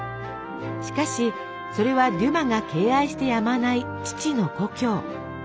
しかしそれはデュマが敬愛してやまない父の故郷。